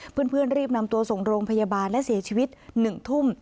เพื่อนรีบนำตัวส่งโรงพยาบาลและเสียชีวิต๑ทุ่ม